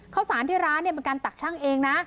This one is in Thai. ข้าวสารที่ร้านเนี่ยเป็นการตักชั่งเองนะ